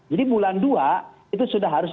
jadi bulan dua itu sudah harus